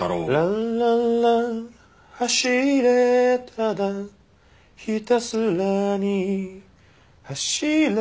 「ランランラン走れ」「ただひたすらに走れ」